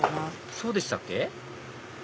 そうでしたっけ？